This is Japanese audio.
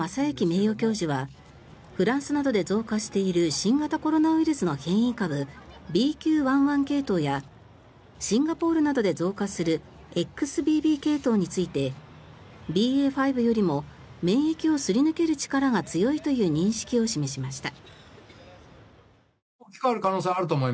名誉教授はフランスなどで増加している新型コロナウイルスの変異株ＢＱ１．１系統やシンガポールなどで増加するＸＢＢ系統についてＢＡ．５よりも免疫をすり抜ける力が強いという認識を示しました。